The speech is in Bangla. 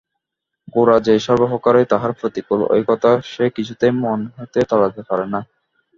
গোরা যে সর্বপ্রকারেই তাহার প্রতিকূল এ কথা সে কিছুতেই মন হইতে তাড়াইতে পারে না।